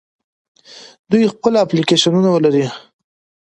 دوی خپل اپلیکیشنونه لري.